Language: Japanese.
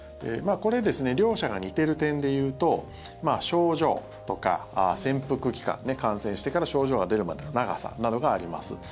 これ両者が似てる点でいうと症状とか潜伏期間感染してから症状が出るまでの長さなどがあります。